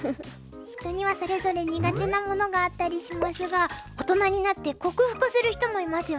人にはそれぞれ苦手なものがあったりしますが大人になって克服する人もいますよね。